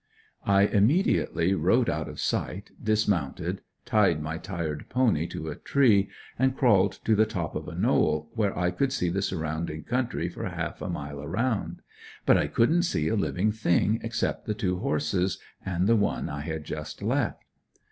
I immediately rode out of sight, dismounted, tied my tired pony to a tree and crawled to the top of a knoll, where I could see the surrounding country for half a mile around. But I couldn't see a living thing except the two horses, and the one I had just left.